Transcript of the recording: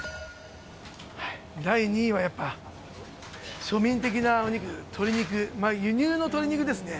第２位は、やっぱ、庶民的なお肉、鶏肉、まあ、輸入の鶏肉ですね。